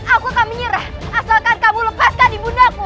aku akan menyerah asalkan kamu lepaskan ibundamu